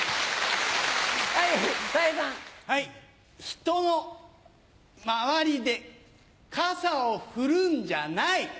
人の周りで傘を振るんじゃない。